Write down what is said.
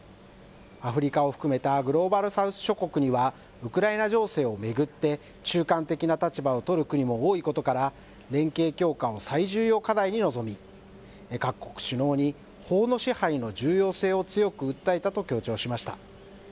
アフリカを含めたグローバル・サウス諸国には、ウクライナ情勢を巡って中間的な立場を取る国も多いことから、連携強化を最重要課題に臨み、各国首脳に法の支配の重要性を強く訴えたと強調しました。